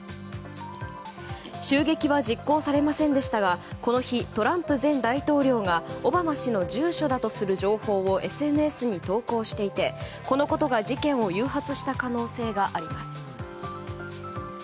襲撃は実行されませんでしたがこの日、トランプ前大統領がオバマ氏の住所だとする情報をＳＮＳに投稿していてこのことが、事件を誘発した可能性があります。